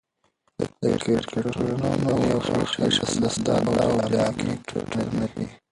د کرکټرونو یو اړخ وېشل د ساده او جامع کرکټرونه دي.